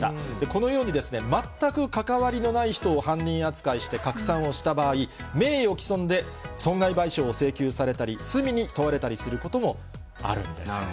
このように、全く関わりのない人を犯人扱いして拡散をした場合、名誉毀損で損害賠償を請求されたり、罪に問われたりすることもあるんです。